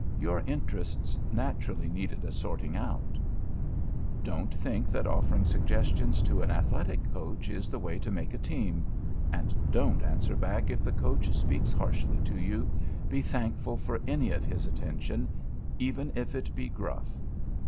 Your interests naturally needed a sorting out. [Sidenote: ONE WAY NOT TO MAKE A TEAM] Don't think that offering suggestions to an athletic Coach is the way to make a team. And don't answer back if the Coach speaks harshly to you; be thankful for any of his attention, even if it be gruff.